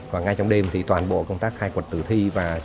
và ngay trong đêm thì toàn bộ công tác khai quật tử thi và